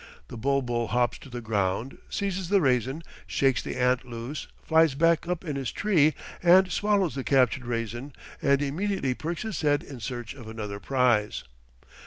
The bul bul hops to the ground, seizes the raisin, shakes the ant loose, flies back up in his tree, and swallows the captured raisin, and immediately perks his head in search of another prize.